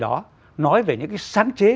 đó nói về những cái sáng chế